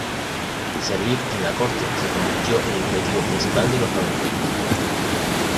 Servir en la corte se convirtió en el objetivo principal de los nobles.